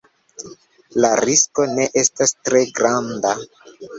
La risko ne estas tre granda.